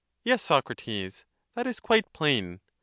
Yes, Socrates ; that is quite plain.